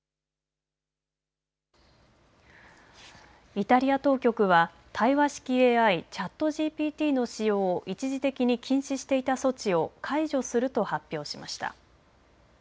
イタリア当局は対話式ＡＩ、ＣｈａｔＧＰＴの使用を一時的に禁止していた措置を解除すると発表しました。